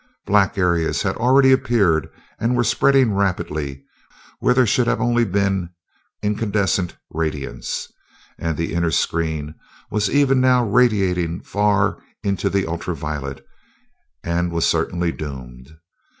Black areas had already appeared and were spreading rapidly, where there should have been only incandescent radiance; and the inner screen was even now radiating far into the ultra violet and was certainly doomed.